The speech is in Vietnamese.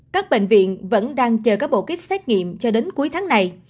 các bệnh viện vẫn đang chờ các bộ kit xét nghiệm cho đến cuối tháng này